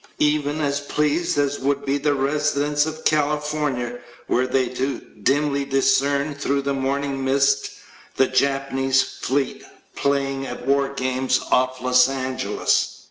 Even as pleased as would be the residents of California were they to dimly discern through the morning mist, the Japanese fleet playing at war games off Los Angeles.